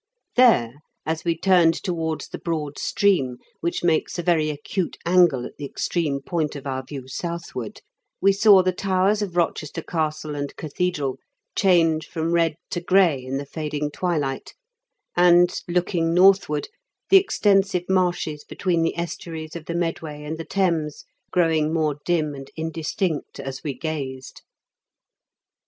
There, as we turned towards the broad stream, which makes a very acute angle at the extreme point of our view southward, we saw the towers of Eochester castle and cathedral change from red to gray in the fading twilight, and, looking northward, the extensive marshes between the estuaries of the Medway and the Thames growing more dim and indistinct as we gazed.